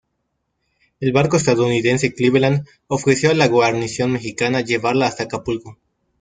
El barco estadounidense "Cleveland" ofreció a la guarnición mexicana llevarla hasta Acapulco.